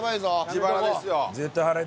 自腹ですよ。